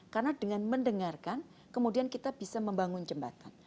karena dengan mendengarkan kemudian kita bisa membangun jembatan